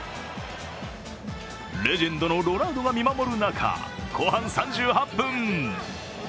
レジェンドのロナウドが見守る中、後半３８分。